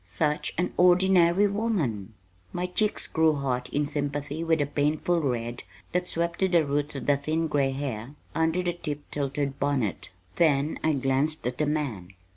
Such an ordinary woman!" My cheeks grew hot in sympathy with the painful red that swept to the roots of the thin gray hair under the tip tilted bonnet. Then I glanced at the man.